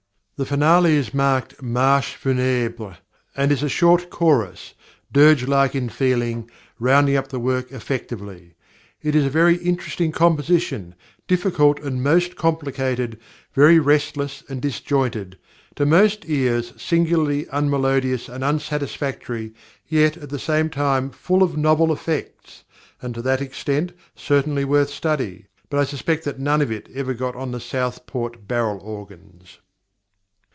The Finale is marked "Marche Funèbre," and is a short chorus, dirge like in feeling, rounding up the work effectively. It is a very interesting composition, difficult and most complicated, very restless and disjointed, to most ears singularly unmelodious and unsatisfactory, yet, at the same time, full of novel effects, and to that extent certainly worth study; but I suspect that none of it ever got on the Southport barrel organs.